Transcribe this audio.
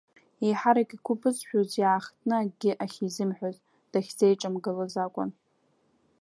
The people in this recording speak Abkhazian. Еиҳарак игәы ԥызжәоз, иаахтны акгьы ахьизымҳәоз, дахьзиҿамгылоз акәын.